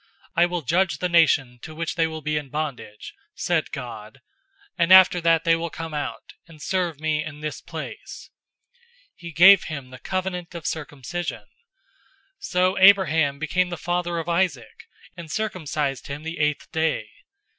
007:007 'I will judge the nation to which they will be in bondage,' said God, 'and after that will they come out, and serve me in this place.'{Genesis 15:13 14} 007:008 He gave him the covenant of circumcision. So Abraham became the father of Isaac, and circumcised him the eighth day.